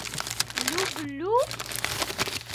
Люб-лю?